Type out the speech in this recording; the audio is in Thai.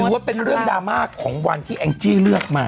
ว่าเป็นเรื่องดราม่าของวันที่แองจี้เลือกมา